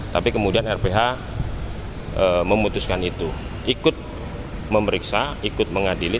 tapi kemudian rph memutuskan itu ikut memeriksa ikut mengadili